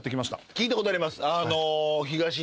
聞いたことあります。